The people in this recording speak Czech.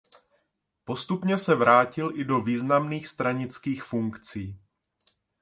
Postupně se vrátil i do významných stranických funkcí.